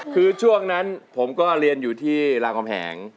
คือช่วงนั้นผมก็เรียนอยู่ที่รามคำแหง